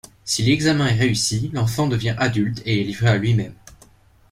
Si l'examen est réussi, l'enfant devient adulte et est livré à lui-même.